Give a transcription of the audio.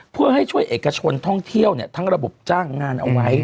เพื่อให้ช่วยเอกชนท่องเที่ยวทั้งระบบจ้างงานเอาไว้